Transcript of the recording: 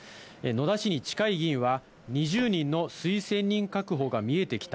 野田市に近い議員は、２０人の推薦人確保が見えてきた。